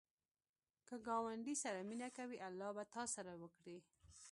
که ګاونډي سره مینه کوې، الله به تا سره وکړي